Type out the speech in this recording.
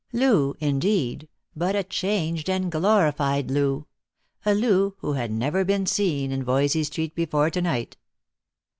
Loo, indeed, but a changed and glorified Loo; a Loo who had never been seen in Voysey street before to night.